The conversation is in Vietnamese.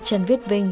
trần viết vinh